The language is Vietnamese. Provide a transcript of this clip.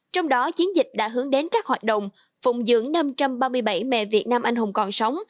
trong đó chiến dịch đã hướng đến các hoạt động phụng dưỡng năm trăm ba mươi bảy mẹ việt nam anh hùng còn sống